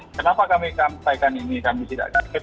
kenapa kami sampaikan ini kami tidak kaget